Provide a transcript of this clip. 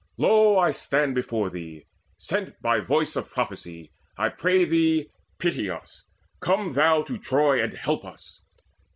Lo, I stand Before thee, sent by voice of prophecy. I pray thee, pity us: come thou to Troy And help us.